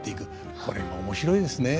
これが面白いですね。